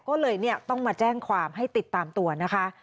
ก็เลยต้องมาแจ้งความให้ติดตามตัวนะคะ